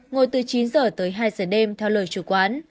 ngồi từ chín giờ tới hai giờ đêm theo lời chủ quán